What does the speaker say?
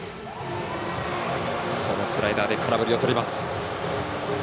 スライダーで空振りをとります。